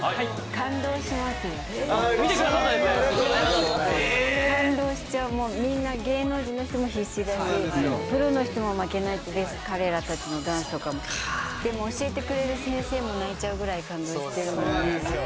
感動しますよああ嬉しいありがとうございますえっ感動しちゃうもうみんな芸能人の人も必死だしプロの人も負けないって彼らたちのダンスとかもそっか教えてくれる先生も泣いちゃうぐらい感動してるもんね